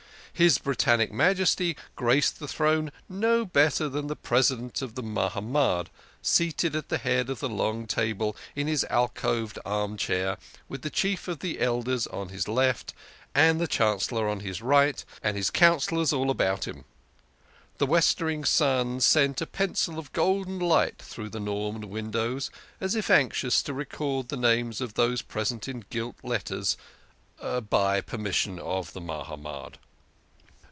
His Britannic Majesty graced the throne no better than the President of the Mahamad, seated at the head of the long table in his alcoved arm chair, with the Chief of the Elders on his left, and the Chancellor on his right, and his Councillors all about him. The westering sun sent a pencil of golden light through the Norman windows as if anxious to record the names of those present in gilt letters "by permission of the Mahamad."